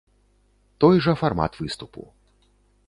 Той жа фармат выступу.